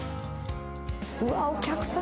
うわっ、お客さん